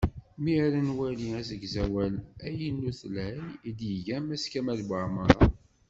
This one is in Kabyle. Mi ara nwali asegzawal aynutlay i d-iga Mass kamel Buεmara.